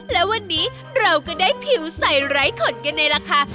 และวันนี้เราก็ได้ผิวใส่ไร้ขนกันในราคา